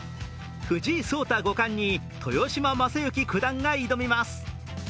藤井聡太五冠に豊島将之九段が挑みます。